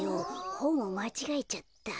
ほんをまちがえちゃった。